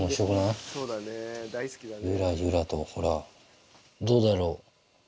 ゆらゆらとほらどうだろう？